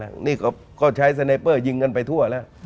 หนึ่งชั้นแรกก็ใช้ยิงกันไปทั่วแล้ว